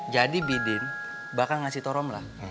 jadi bidin bakal ngasih torom lah